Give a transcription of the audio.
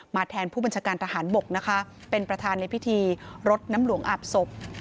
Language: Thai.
แทนผู้บัญชาการทหารบกนะคะเป็นประธานในพิธีรดน้ำหลวงอาบศพ